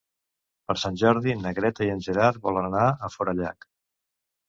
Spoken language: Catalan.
Per Sant Jordi na Greta i en Gerard volen anar a Forallac.